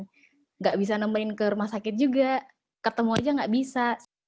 tidak bisa nempelin ke rumah sakit juga ketemu aja nggak bisa